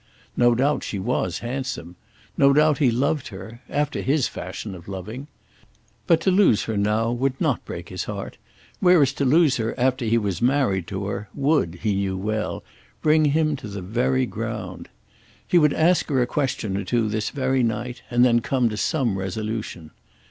No doubt she was handsome. No doubt he loved her, after his fashion of loving. But to lose her now would not break his heart, whereas to lose her after he was married to her, would, he knew well, bring him to the very ground. He would ask her a question or two this very night, and then come to some resolution.